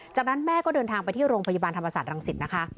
จากนั้นแม่ก็เดินทางไปที่โรงพยาบาลธรรมศาสตรังสิตนะคะ